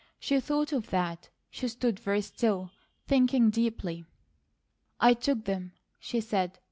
She thought of that. She stood very still, thinking deeply. "I took them," she said.